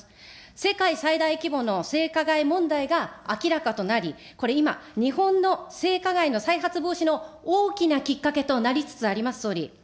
世界最大規模の性加害問題が明らかとなり、これ今、日本の性加害の再発防止の大きなきっかけとなりつつあります、総理。